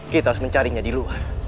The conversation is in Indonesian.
kita harus mencarinya di luar